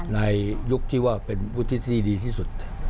ในยุคที่ว่าเป็นวุฒิที่ดีที่สุด